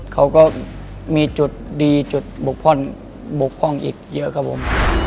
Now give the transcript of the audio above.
เขาก็มีจุดดีจุดบกพร่องบกพร่องอีกเยอะครับผม